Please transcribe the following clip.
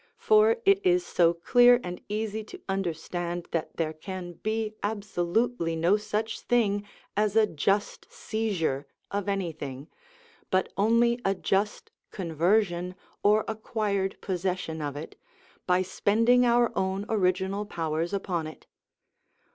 For it is so clear and easy to understand that there can be absolutely no such thing as a just seizure of anything, but only a just conversion or acquired possession of it, by spending our own original powers upon it.